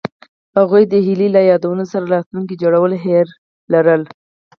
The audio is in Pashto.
هغوی د هیلې له یادونو سره راتلونکی جوړولو هیله لرله.